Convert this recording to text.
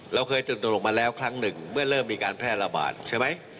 เราเคยตื่นตนออกมาแล้วครั้งหนึ่งเมื่อเริ่มมีการแพร่ระบาดใช่ไหม